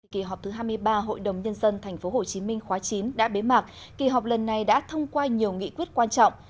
kỳ họp thứ hai mươi ba hội đồng nhân dân tp hcm khóa chín đã bế mạc kỳ họp lần này đã thông qua nhiều nghị quyết quan trọng